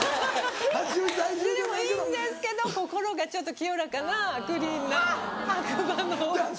でもいいんですけど心がちょっと清らかなクリーンな白馬の王子様。